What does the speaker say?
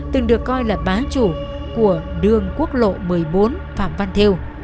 từng được coi là bá chủ của đường quốc lộ một mươi bốn phạm văn theo